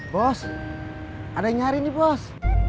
bos ada yang nyari di bos